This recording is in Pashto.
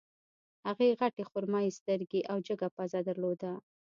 هغې غټې خرمايي سترګې او جګه پزه درلوده